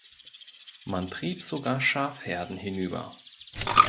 Man trieb sogar Schafherden hinüber.